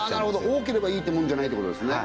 多ければいいってもんじゃないってことですね